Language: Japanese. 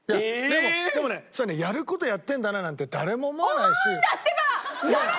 でもでもねそれはね「やる事やってんだな」なんて誰も思わないし。